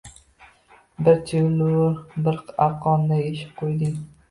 Bir chilviru bir arqonga eshib qoʼyding.